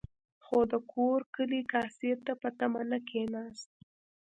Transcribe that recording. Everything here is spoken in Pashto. خو د کورو کلي کاسې ته په تمه نه کېناست.